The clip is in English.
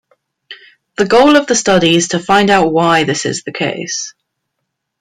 The goal of the study is to find out why this is the case.